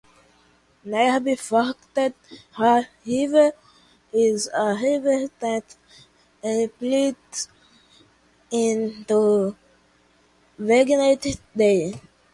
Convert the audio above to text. Nearby Forked River is a river that empties into Barnegat Bay.